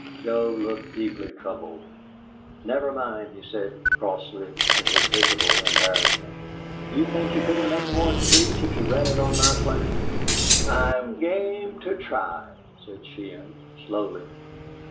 Joe looked deeply troubled. "Never mind," he said, crossly, and with visible embarrassment. "You think you couldn't make more at the Beach if you ran it on my plan?" "I'm game to try," said Sheehan, slowly.